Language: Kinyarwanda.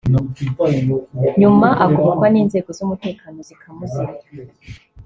nyuma agobokwa n’inzego z’umutekano zikamuzimya